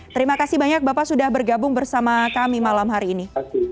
terima kasih banyak bapak sudah bergabung bersama kami malam hari ini